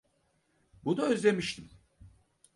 Bunu özlemişim.